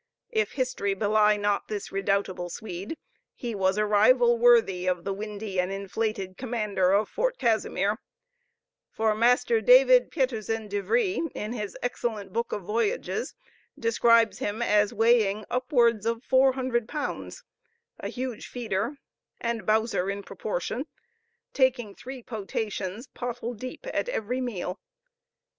If history belie not this redoubtable Swede, he was a rival worthy of the windy and inflated commander of Fort Casimir; for Master David Pieterzen de Vrie, in his excellent book of voyages, describes him as "weighing upwards of four hundred pounds," a huge feeder, and bouser in proportion, taking three potations, pottle deep, at every meal.